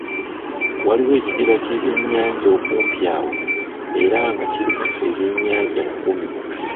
Waliwo ekidiba ky’eby'ennyanja okumpi awo era nga kirimu eby’ennyanja kkumi.